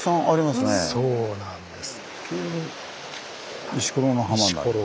そうなんです。